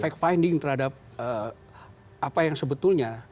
efek finding terhadap apa yang sebetulnya